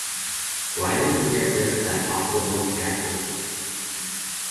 Why don't you get rid of that awful old jacket?